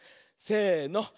せの。